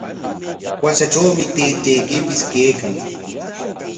¿Washatrawku taytaykipis kaykan?